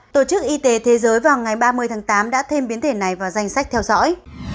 tổ chức y tế thế giới vào ngày ba mươi tháng tám đã thêm biến thể này vào danh sách theo dõi